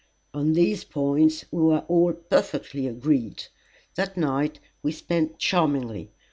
On these points we were all perfectly agreed. That night we spent charmingly.